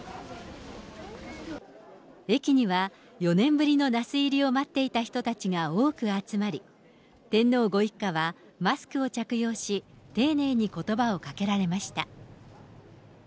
駅には４年ぶりの那須入りを待っていた人たちが多く集まり、天皇ご一家はマスクを着用し、丁寧にことばをかけられました。